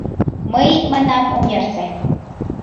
— Мый, — манам, — ом ярсе.